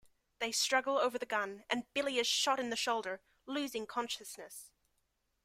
They struggle over the gun, and Billy is shot in the shoulder, losing consciousness.